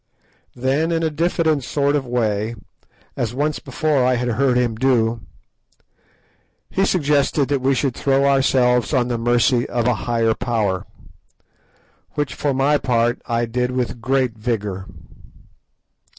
Then, in a diffident sort of way, as once before I had heard him do, he suggested that we should throw ourselves on the mercy of a higher Power, which for my part I did with great vigour.